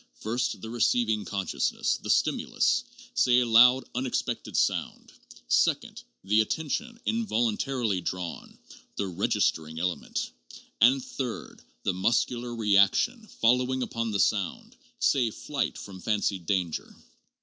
First, the receiving con sciousness, the stimulus — say a loud, unexpected sound ; second, the attention involuntarily drawn, the registering element ; and, third, the muscular reaction following upon the sound — say flight from fancied danger."